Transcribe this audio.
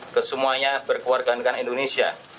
kesemuanya berkeluargaan indonesia